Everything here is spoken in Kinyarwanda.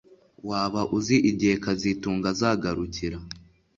Waba uzi igihe kazitunga azagarukira